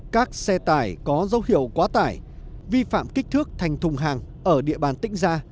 các xe tải có dấu hiệu quá tải vi phạm kích thước thành thùng hàng ở địa bàn tỉnh gia